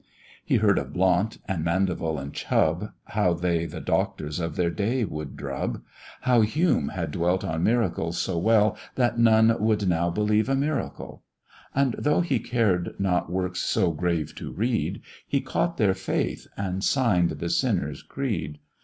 He heard of Blount, and Mandeville, and Chubb, How they the doctors of their day would drub; How Hume had dwelt on Miracles so well, That none would now believe a miracle; And though he cared not works so grave to read, He caught their faith, and sign'd the sinner's creed.